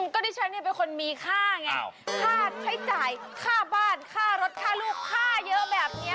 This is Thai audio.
ก็ดิฉันเป็นคนมีค่าไงค่าใช้จ่ายค่าบ้านค่ารถค่าลูกค่าเยอะแบบนี้